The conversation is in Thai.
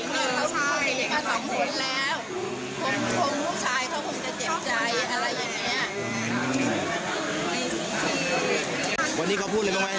มาอยู่แม่กันนะแล้วตอนหลังผู้หญิงเค้าก็มีเด็กมา๒คุณแล้ว